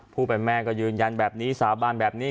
ผู้เป็นแม่ก็ยืนยันแบบนี้สาบานแบบนี้